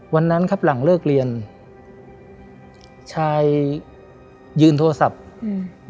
วันนั้นครับหลังเลิกเรียนชายยืนโทรศัพท์อืม